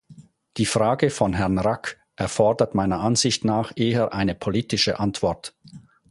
Die Frage von Herrn Rack erfordert meiner Ansicht nach eher eine politische Antwort.